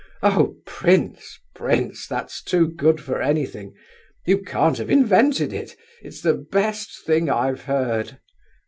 Oh, prince, prince, that's too good for anything! You can't have invented it. It's the best thing I've heard!"